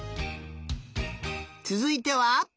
つづいては。